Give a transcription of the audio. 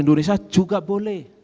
indonesia juga boleh